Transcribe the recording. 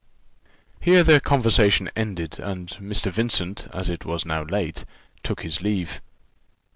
Here their conversation ended, and Mr. Vincent, as it was now late, took his leave.